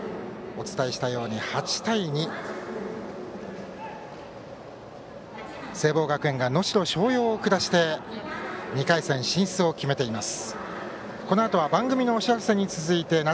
お伝えしたように８対２で聖望学園が能代松陽を下して２回戦進出を決めています。